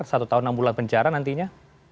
satu tahun enam bulan penjara nantinya